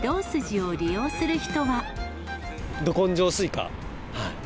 ど根性スイカ。